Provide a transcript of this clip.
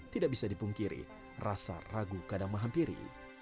tidak bisa dipungkiri rasa ragu kadang menghampiri